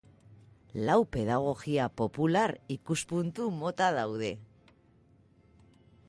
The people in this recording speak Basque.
Lau pedagogia popular ikuspuntu mota daude.